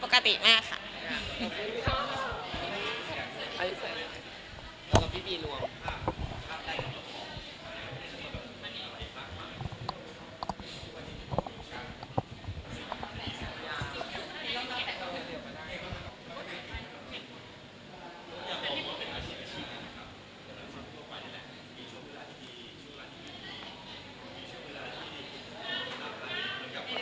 ขอบคุณนะคะอินเนอร์ต้องมาโอเค๑๒๓